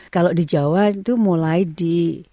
kalau di jawa itu mulai di